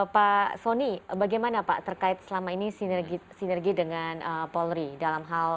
pak soni bagaimana pak terkait selama ini sinergi dengan polri dalam hal ini